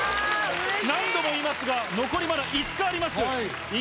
何度も言いますが、残りまだ５日あります。